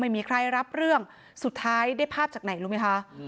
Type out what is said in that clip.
ไม่มีใครรับเรื่องสุดท้ายได้ภาพจากไหนรู้ไหมคะ